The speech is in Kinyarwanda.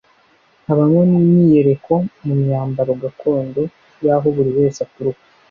habamo n’imyiyereko mu myamabaro gakondo y’aho buri wese aturuka